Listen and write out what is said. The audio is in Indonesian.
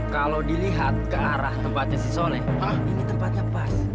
kalau dilihat ke arah tempatnya si soleh ini tempatnya pas